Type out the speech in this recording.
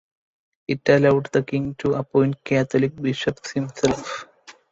It allowed the king to appoint Catholic bishops himself.